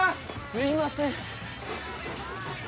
すいません。